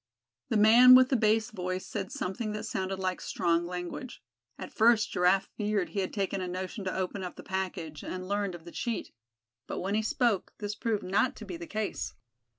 The man with the bass voice said something that sounded like strong language. At first Giraffe feared he had taken a notion to open up the package, and learned of the cheat; but when he spoke, this proved not to be the case.